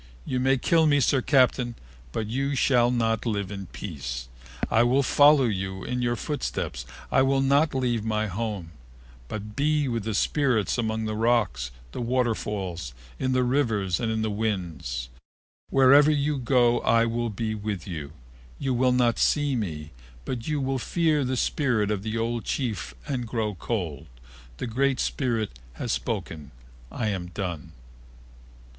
You may kill me, Sir Captain, but you shall not live in peace. I will follow in your footsteps. I will not leave my home, but be with the spirits among the rocks, the waterfalls, in the rivers and in the winds; wherever you go I will be with you. You will not see me but you will fear the spirit of the old chief and grow cold. The Great Spirit has spoken. I am done."